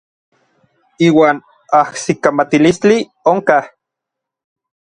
Iuan ajsikamatilistli onkaj.